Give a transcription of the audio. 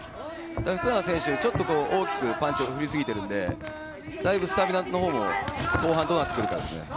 福永選手、ちょっと大きくパンチを振りすぎているんでだいぶスタミナも後半どうなってくるかですね。